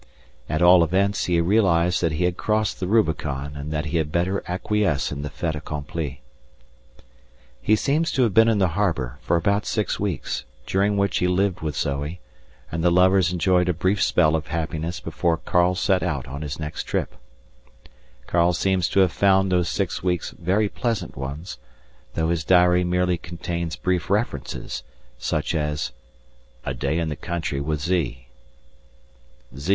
_ At all events he realized that he had crossed the Rubicon and that he had better acquiesce in the fait accompli. _He seems to have been in harbour for about six weeks, during which he lived with Zoe, and the lovers enjoyed a brief spell of happiness before Karl set out on his next trip._ _Karl seems to have found those six weeks very pleasant ones, though his diary merely contains brief references, such as: "A. day in the country with Z."; "Z.